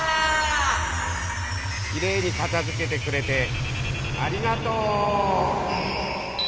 キレイにかたづけてくれてありがとう！